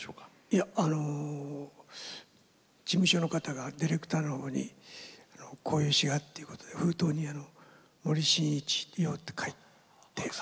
いやあの事務所の方がディレクターのほうにこういう詞がっていうことで封筒に「森進一用」って書いてあったらしいです。